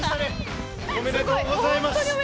おめでとうございます！